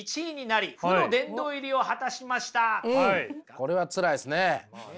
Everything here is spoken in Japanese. これはつらいですね。